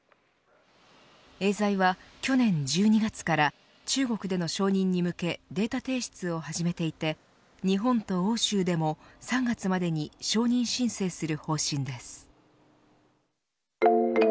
エーザイは去年１２月から中国での承認に向けデータ提出を始めていて日本と欧州でも、３月までに承認申請する方針です。